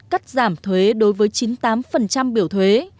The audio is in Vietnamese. cắt giảm thuế đối với chín mươi tám biểu thuế